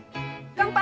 乾杯。